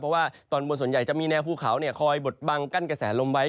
เพราะว่าตอนบนส่วนใหญ่จะมีแนวภูเขาคอยบดบังกั้นกระแสลมไว้